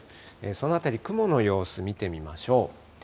そのあたり、雲の様子見てみましょう。